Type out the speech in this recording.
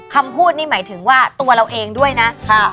คำพูดนี่หมายถึงว่าตัวเราเองด้วยนะ